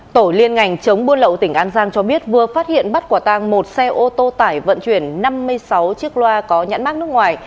tổ liên ngành chống buôn lậu tỉnh an giang cho biết vừa phát hiện bắt quả tang một xe ô tô tải vận chuyển năm mươi sáu chiếc loa có nhãn mát nước ngoài